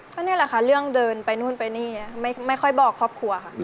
ก็นี่แหละค่ะเรื่องเดินไปนู่นไปนี่ไม่ค่อยบอกครอบครัวค่ะ